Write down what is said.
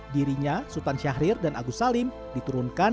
dirinya sultan syahrir dan agus salim diturunkan